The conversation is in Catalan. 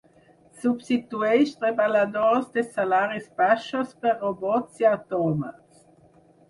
Substitueix treballadors de salaris baixos per robots i autòmats.